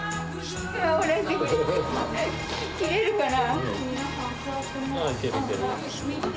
着れるかな？